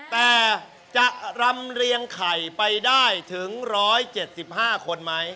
แต่จะรำเรียงไข่ไปได้ถึง๑๗๕คนไหม